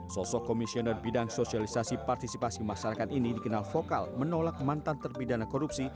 sosok komisioner bidang sosialisasi partisipasi masyarakat ini dikenal vokal menolak mantan terpidana korupsi